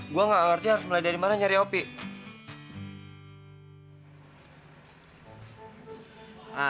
gue gak ngerti harus mulai dari mana nyari hopi